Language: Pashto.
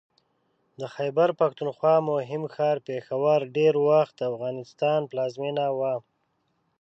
د خیبر پښتونخوا مهم ښار پېښور ډېر وخت د افغانستان پلازمېنه وه